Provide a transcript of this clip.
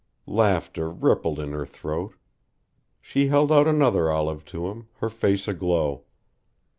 Laughter rippled in her throat. She held out another olive to him, her face aglow.